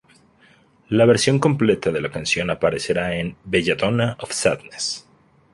La versión completa de la canción aparecerá en "Belladonna of Sadness".